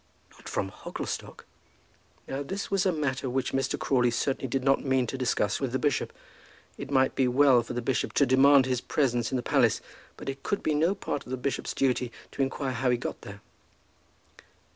"Not from Hogglestock!" Now this was a matter which Mr. Crawley certainly did not mean to discuss with the bishop. It might be well for the bishop to demand his presence in the palace, but it could be no part of the bishop's duty to inquire how he got there.